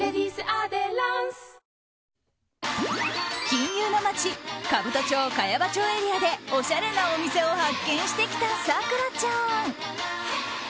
金融の街兜町・茅場町エリアでおしゃれなお店を発見してきた咲楽ちゃん。